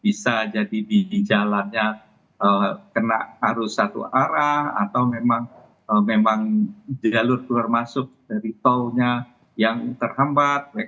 bisa jadi di jalannya kena arus satu arah atau memang jalur keluar masuk dari tolnya yang terhambat